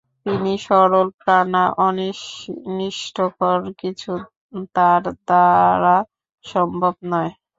তিনি সরলপ্রাণা, অনিষ্টকর কিছু তাঁর দ্বারা সম্ভব নয়।